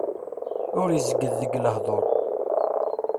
Ur izegged deg lehdur.